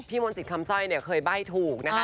มนตรีคำสร้อยเนี่ยเคยใบ้ถูกนะคะ